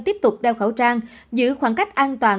tiếp tục đeo khẩu trang giữ khoảng cách an toàn